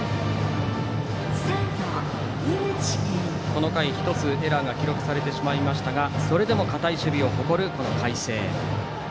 この回１つエラーが記録されてしまいましたがそれでも堅い守備を誇る海星。